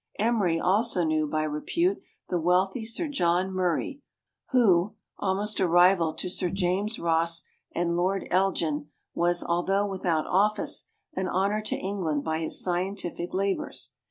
Emery also knew by repute the wealthy Sir John Mur ray, who (almost a rival to Sir James Ross and Lord Elgin) was, although without office, an honour to England by his scientific labours.